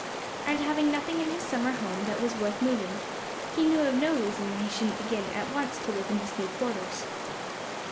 And having nothing in his summer home that was worth moving, he knew of no reason why he shouldn't begin at once to live in his new quarters.